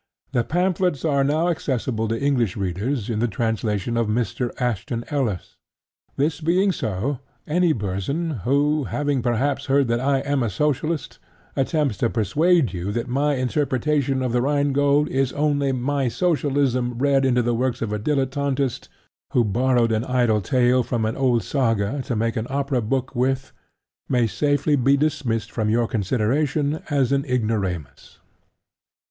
The pamphlets are now accessible to English readers in the translation of Mr. Ashton Ellis. This being so, any person who, having perhaps heard that I am a Socialist, attempts to persuade you that my interpretation of The Rhine Gold is only "my socialism" read into the works of a dilettantist who borrowed an idle tale from an old saga to make an opera book with, may safely be dismissed from your consideration as an ignoramus.